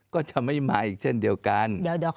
ก็จะไม่มาอีกเช่นเดียวกัน